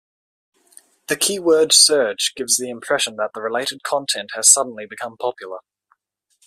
The keyword surge gives the impression that the related content has suddenly become popular.